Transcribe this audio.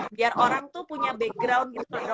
biar orang tuh punya background